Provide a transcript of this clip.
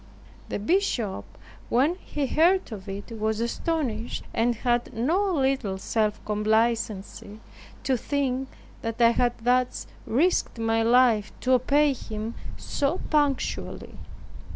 The bishop, when he heard of it, was astonished, and had no little self complacency to think that I had thus risked my life to obey him so punctually.